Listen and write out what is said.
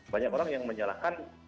banyak orang yang menyalahkan